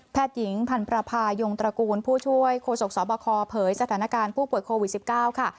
หญิงพันประพายงตระกูลผู้ช่วยโฆษกสบคเผยสถานการณ์ผู้ป่วยโควิด๑๙ค่ะ